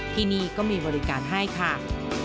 ที่นี่ก็มีบริการให้ค่ะ